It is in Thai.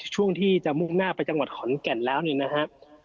ช่วงที่จะมุ่งหน้าไปจังหวัดขอนแก่นแล้วเนี่ยนะฮะ